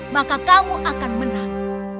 maka kamu akan menang